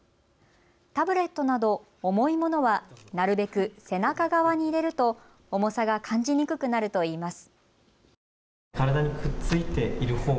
タブレットなど重いものはなるべく背中側に入れると重さが感じにくくなるといいます。